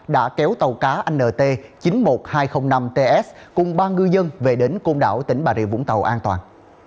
đã kéo tàu cá nt chín mươi một nghìn hai trăm linh năm ts cùng ba ngư dân về đến côn đảo tỉnh bà rịa vũng tàu an toàn